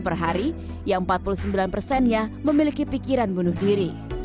per hari yang empat puluh sembilan persennya memiliki pikiran bunuh diri